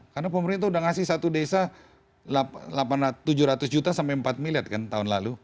karena pemerintah udah ngasih satu desa tujuh ratus juta sampai empat miliar kan tahun lalu